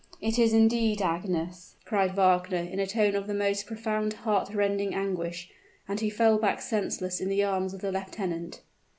it is indeed Agnes!" cried Wagner, in a tone of the most profound heart rending anguish, and he fell back senseless in the arms of the lieutenant.